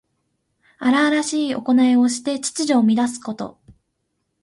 荒々しいおこないをして秩序を乱すこと。